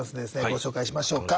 ご紹介しましょうか。